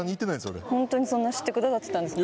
俺ホントにそんなに知ってくださってたんですね